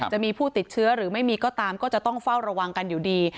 จะมีผู้ติดเชื้อหรือไม่มีก็ตามก็จะต้องเฝ้าระวังกันอยู่ดี